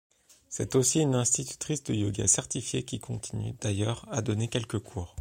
C'est aussi une instructrice de yoga certifiée, qui continue, d'ailleurs, à donner quelques cours.